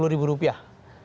sepuluh ribu rupiah